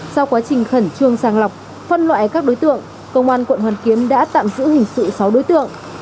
sau quá trình khẩn trương sàng lọc phân loại các đối tượng công an quận hoàn kiếm đã tạm giữ hình sự sáu đối tượng